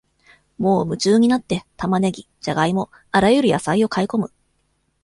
もう夢中になって、玉ねぎ、じゃがいも、あらゆる野菜を買い込む。